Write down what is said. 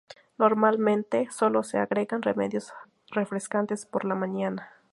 Normalmente, sólo se agregan remedios refrescantes por la mañana.